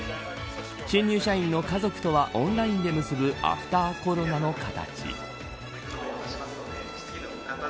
新入社員の家族とはオンラインで結ぶアフターコロナの形。